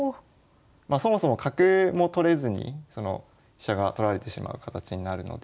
まあそもそも角も取れずに飛車が取られてしまう形になるので。